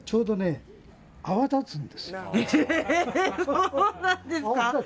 そうなんですか。